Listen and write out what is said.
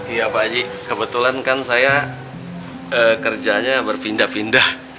iya pakcik kebetulan kan saya kerjanya berpindah pindah